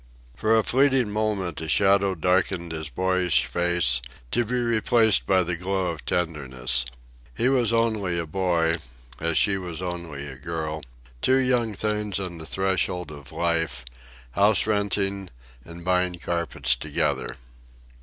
For a fleeting moment a shadow darkened his boyish face, to be replaced by the glow of tenderness. He was only a boy, as she was only a girl two young things on the threshold of life, house renting and buying carpets together.